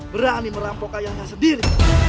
berani merampok ayahnya sendiri